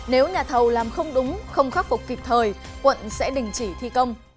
nếu nhà thầu làm không đúng không khắc phục kịp thời quận sẽ đình chỉ thi công